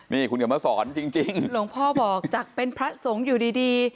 นี่คุณกำมาสอนจริงจริงหลวงพ่อบอกจากเป็นพระสงฆ์อยู่ดีดี